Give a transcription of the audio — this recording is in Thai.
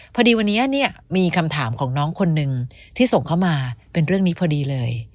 พอดีวันนี้เนี่ยมีคำถามของน้องคนนึงที่ส่งเข้ามาเป็นเรื่องนี้พอดีเลย